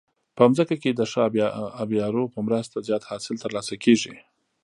په ځمکه کې د ښه آبيارو په مرسته زیات حاصل ترلاسه کیږي.